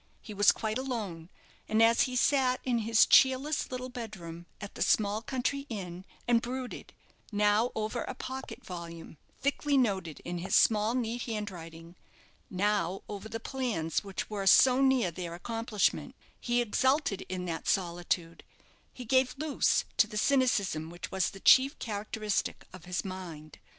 He was quite alone, and as he sat in his cheerless little bedroom at the small country inn, and brooded, now over a pocket volume, thickly noted in his small, neat handwriting, now over the plans which were so near their accomplishment, he exulted in that solitude he gave loose to the cynicism which was the chief characteristic of his mind.